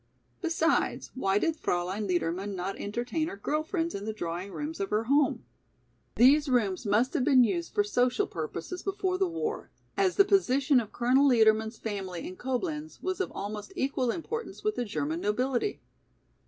Besides why did Fraulein Liedermann not entertain her girl friends in the drawing rooms of her home? These rooms must have been used for social purposes before the war, as the position of Colonel Liedermann's family in Coblenz was of almost equal importance with the German nobility.